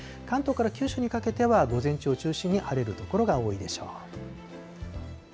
関東から九州にかけては午前中を中心に晴れる所が多いでしょう。